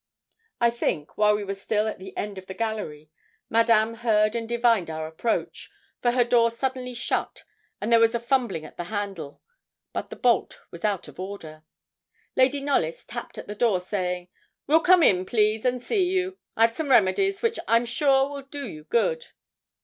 I think, while we were still at the end of the gallery, Madame heard and divined our approach, for her door suddenly shut, and there was a fumbling at the handle. But the bolt was out of order. Lady Knollys tapped at the door, saying 'we'll come in, please, and see you. I've some remedies, which I'm sure will do you good.'